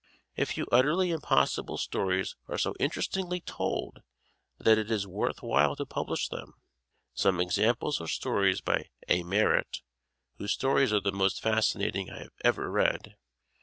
A few utterly impossible stories are so interestingly told that it is worth while to publish them. Some examples are stories by A. Merritt (whose stories are the most fascinating I have ever read).